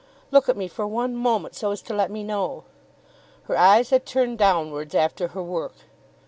Look at me for one moment so as to let me know." Her eyes had turned downwards after her work.